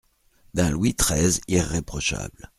D'un Louis treize irréprochable.